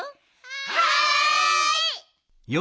はい！